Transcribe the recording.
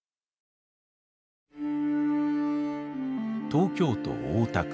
東京都大田区。